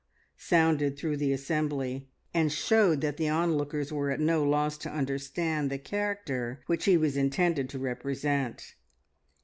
sounded through the assembly, and showed that the onlookers were at no loss to understand the character which he was intended to represent.